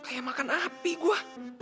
kayak makan api gua